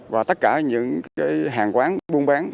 và tất cả những hàng quán buôn bán